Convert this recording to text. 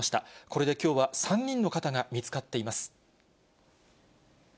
これできょうは３人の方が見つかっています。